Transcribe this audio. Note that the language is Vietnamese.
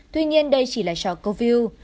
tuy nhiên đây chỉ là cho câu view